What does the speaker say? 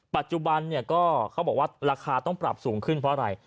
ปัจจุบันเนี่ยก็เขาบอกว่าราคาต้องปรับสูงขึ้นเพราะอะไร